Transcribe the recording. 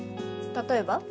例えば？